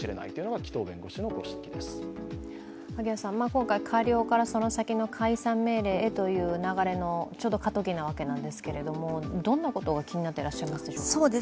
今回、過料からその先の解散命令へという流れのちょうど過渡期なわけですが、どんなことが気になってらっしゃいますか？